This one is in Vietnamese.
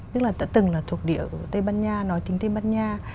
tức là đã từng là thuộc địa tây ban nha nói chính tây ban nha